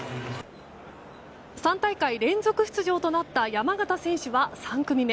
３大会連続出場となった山縣選手は３組目。